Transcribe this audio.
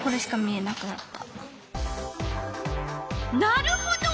なるほど。